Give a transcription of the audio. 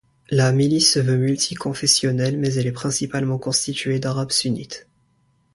La milice se veut multiconfessionnelle, mais elle est principalement constituée d'Arabes sunnites.